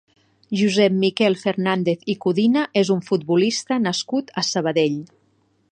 Josep Miquel Fernández i Codina és un futbolista nascut a Sabadell.